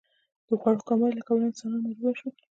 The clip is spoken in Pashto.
د خوړو کموالي له کبله انسانان مجبور شول.